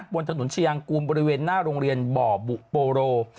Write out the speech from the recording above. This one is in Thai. บนถนนชายางกูลบริเวณหน้าโรงเรียนบ่อบุโปโร